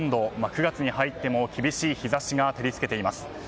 ９月に入っても厳しい日差しが照りつけています。